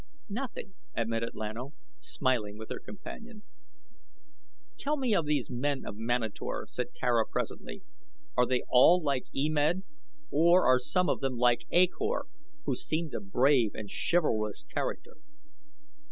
"Nothing," admitted Lan O, smiling with her companion. "Tell me of these men of Manator," said Tara presently. "Are they all like E Med, or are some of them like A Kor, who seemed a brave and chivalrous character?"